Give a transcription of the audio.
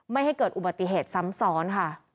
ไม่ให้เกิดอุบัติเหตุซ้ำซ้อนค่ะ